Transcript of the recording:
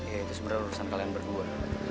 ya itu sebenarnya urusan kalian berdua